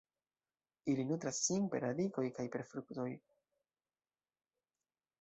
Ili nutras sin per radikoj kaj fruktoj.